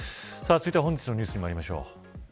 続いては本日のニュースにまいりましょう。